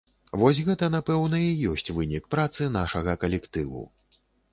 Вось гэта, напэўна, і ёсць вынік працы нашага калектыву.